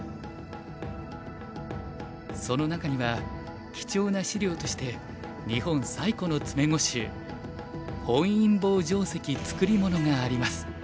その中には貴重な資料として日本最古の詰碁集「本因坊定石作物」があります。